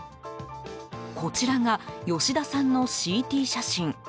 こちらが吉田さんのＣＴ写真。